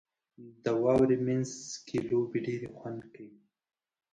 • د واورې مینځ کې لوبې ډېرې خوند کوي.